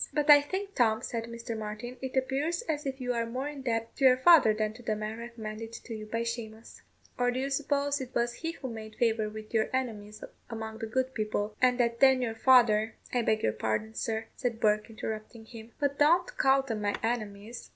"But I think, Tom," said Mr. Martin, "it appears as if you are more indebted to your father than to the man recommended to you by Shamous; or do you suppose it was he who made favour with your enemies among the good people, and that then your father " "I beg your pardon, sir," said Bourke, interrupting him; "but don't call them my enemies.